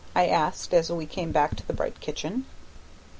I asked, as we came back to the bright kitchen.